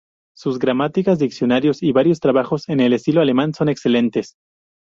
Sus gramáticas, diccionarios y varios trabajos en el estilo alemán son excelentes.